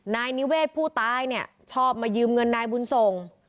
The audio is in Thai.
นายนิเวศผู้ตายเนี่ยชอบมายืมเงินนายบุญส่ง